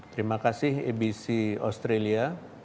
terima kasih ibc australia